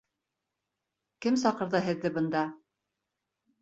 Кем саҡырҙы һеҙҙе бында?